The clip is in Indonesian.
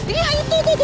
iya itu itu itu